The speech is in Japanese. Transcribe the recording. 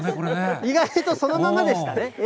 意外とそのままでしたね。